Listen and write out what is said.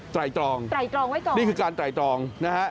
ตรองไตรตรองไว้ก่อนนี่คือการไตรตรองนะฮะ